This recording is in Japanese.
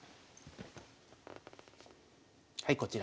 はいこちら。